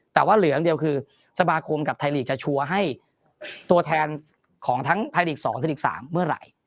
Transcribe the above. แต่ว่าเหลืออย่างเดียวคือสมาคมกับไทยลีกจะชัวร์ให้ตัวแทนของทั้งไทยลีก๒ไทยลีก๓เมื่อไหร่